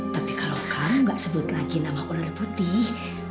tapi kalau kamu nggak sebut lagi nama ular putih